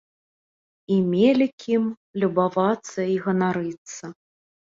І мелі кім любавацца і ганарыцца.